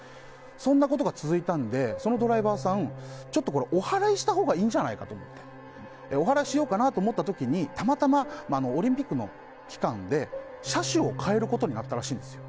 そんなことが続いたんでそのドライバーさんちょっとおはらいしたほうがいいんじゃないかと思っておはらいしようかなと思った時にたまたま、オリンピックの期間で車種を変えることになったらしいんですよ。